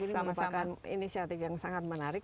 ini merupakan inisiatif yang sangat menarik